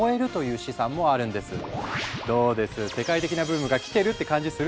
世界的なブームが来てるって感じするでしょ？